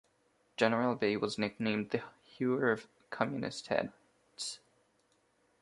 General Bai was nicknamed "The Hewer of Communist Heads".